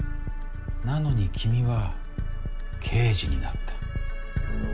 なのに君は刑事になった。